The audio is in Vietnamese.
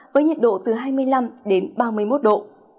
với nhiệt độ từ hai mươi năm đến ba mươi một độ